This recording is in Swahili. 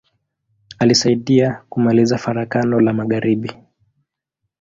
Alisaidia kumaliza Farakano la magharibi.